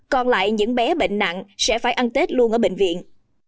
còn lại những bé bệnh nặng sẽ phải ăn tết luôn ở bệnh viện